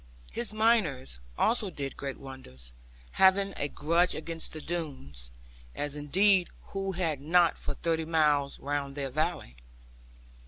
His miners also did great wonders, having a grudge against the Doones; as indeed who had not for thirty miles round their valley?